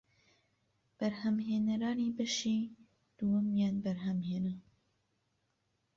بەرهەمهێنەرانی بەشی دووەمیان بەرهەمهێنا